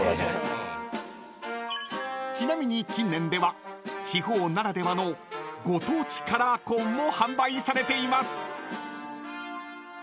［ちなみに近年では地方ならではのご当地カラーコーンも販売されています］